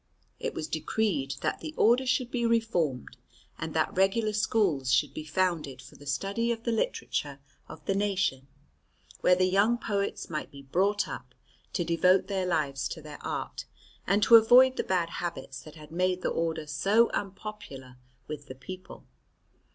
It was decreed that the order should be reformed and that regular schools should be founded for the study of the literature of the nation, where the young poets might be brought up to devote their lives to their art, and to avoid the bad habits that had made the order so unpopular with the people.